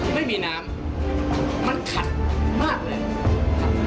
ไม่มีน้ำมันขัดมากเลยครับ